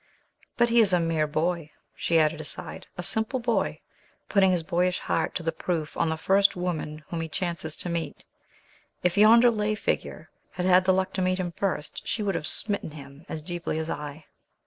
But he is a mere boy," she added, aside, "a simple boy, putting his boyish heart to the proof on the first woman whom he chances to meet. If yonder lay figure had had the luck to meet him first, she would have smitten him as deeply as I."